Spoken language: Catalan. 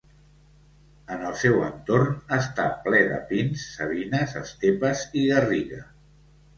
En el seu entorn està ple de pins, savines, estepes i garriga.